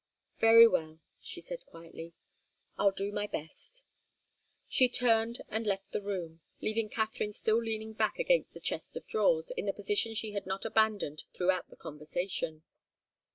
"Very well," she said, quietly. "I'll do my best." She turned and left the room, leaving Katharine still leaning back against the chest of drawers in the position she had not abandoned throughout the conversation.